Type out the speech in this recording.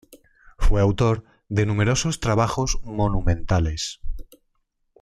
Fue autor de numerosos trabajos monumentales.